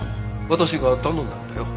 私が頼んだんだよ。